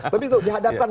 tapi itu dihadapkan